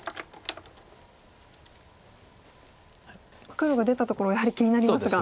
黒が出たところはやはり気になりますが。